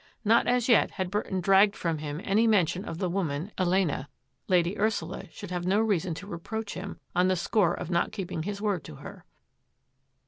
Not as yet had Burton dragged from him any mention of the woman, Elena. Lady Ursula should have no reason to reproach him on the score of not keeping his word to her.